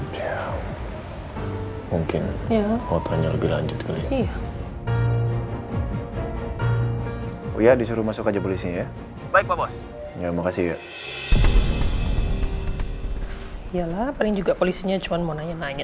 sampai jumpa di video selanjutnya